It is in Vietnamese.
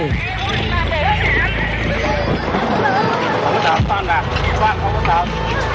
không bất tẩn không bất tẩn